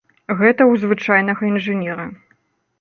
Гэта ў звычайнага інжынера.